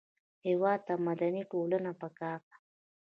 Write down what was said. هېواد ته مدني ټولنه پکار ده